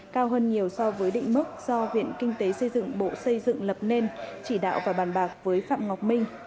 cao hơn nhiều so với định mức do viện kinh tế xây dựng bộ xây dựng lập nên chỉ đạo và bàn bạc với phạm ngọc minh